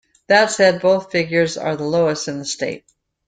That said, both figures are the lowest in the state.